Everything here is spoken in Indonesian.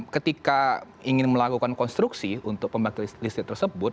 ketika ingin melakukan konstruksi untuk pembangkit listrik tersebut